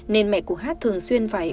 nên mẹ của hát thường xuyên phải